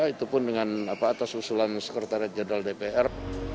itu pun dengan atas usulan sekretariat jenderal dpr